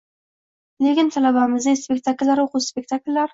Lekin talabalarimizning spektakllari — o‘quv spektakllar